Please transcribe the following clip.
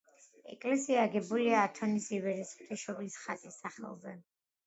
ეკლესია აგებულია ათონის ივერიის ღვთისმშობლის ხატის სახელზე.